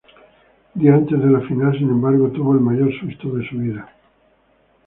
Días antes de la final, sin embargo, tuvo el mayor susto de su vida.